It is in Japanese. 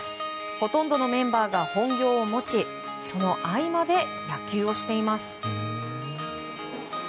ほとんどのメンバーが本業を持ちその合間で野球をしています。